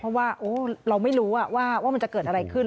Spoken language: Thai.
เพราะว่าเราไม่รู้ว่ามันจะเกิดอะไรขึ้น